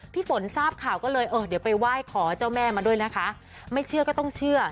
พี่ฝนทราบข่าวก็เลยเออเดี๋ยวไปไหว้ขอเจ้าแม่มาด้วยนะคะไม่เชื่อก็ต้องเชื่อ